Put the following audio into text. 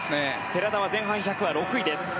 寺田は前半１００は６位です。